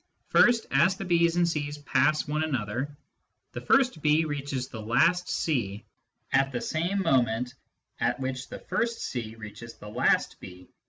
First, as the B's and C's pass one another, the first B reaches the last C at the same moment at which the first C reaches the last B.